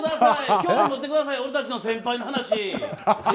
興味持ってください俺たちの先輩の話。